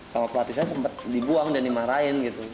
sama pelatih saya sempat dibuang dan dimarahin gitu